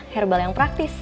herbal yang praktis